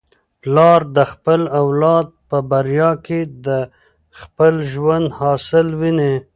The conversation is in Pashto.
پلار د خپل اولاد په بریا کي د خپل ژوند حاصل ویني.